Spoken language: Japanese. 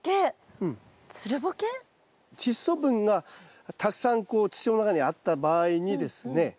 チッ素分がたくさんこう土の中にあった場合にですね